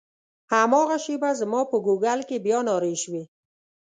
هماغه شېبه زما په ګوګل کې بیا نارې شوې.